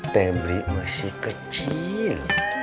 pebli masih kecil